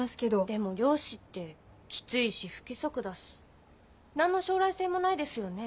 でも漁師ってキツいし不規則だし何の将来性もないですよね。